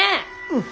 うん。